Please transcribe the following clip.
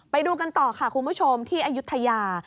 ไปดูกันต่อค่ะคุณผู้ชมที่อายุทยา